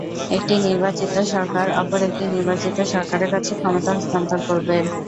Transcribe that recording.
একটি নির্বাচিত সরকার অপর একটি নির্বাচিত সরকারের কাছে ক্ষমতা হস্তান্তর করবে।